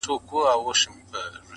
بزه په خپلو ښکرو نه درنېږي.